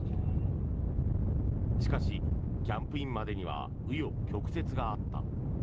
しかしキャンプインまでには紆余曲折があった。